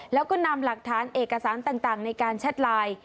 แล้วก็นำหลักฐานเอกสารต่างในการแชทไลน์